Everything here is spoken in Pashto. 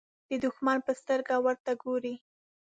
د دښمن په سترګه ورته ګوري.